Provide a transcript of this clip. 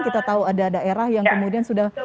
kita tahu ada daerah yang kemudian sudah